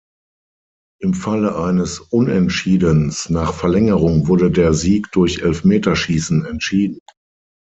Im Falle eines Unentschiedens nach Verlängerung wurde der Sieg durch Elfmeterschießen entschieden.